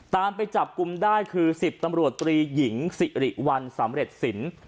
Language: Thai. ตามไปจับกลุ่มได้คือ๑๐ตำรวจตรีหญิงสิริวัลสำเร็จสิน